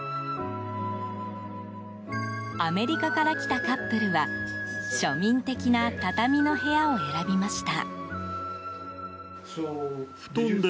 アメリカから来たカップルは庶民的な畳の部屋を選びました。